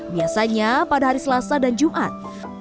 biasanya pada hari selasa dan jumat